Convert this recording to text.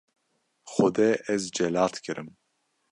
- Xwedê ez celat kirim.